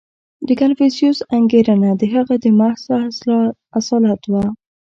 • د کنفوسیوس انګېرنه د هغه د محض اصالت وه.